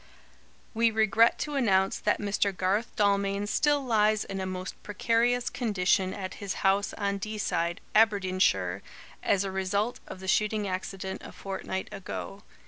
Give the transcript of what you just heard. "We regret to announce that Mr. Garth Dalmain still lies in a most precarious condition at his house on Deeside, Aberdeenshire, as a result of the shooting accident a fortnight ago.